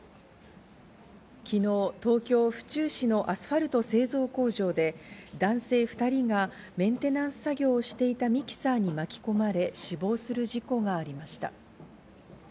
昨日、東京・府中市のアスファルト製造工場で男性２人がメンテナンス作業をしていたミキサーに巻き込まれ、死亡する事故がありました。